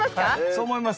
そう思います。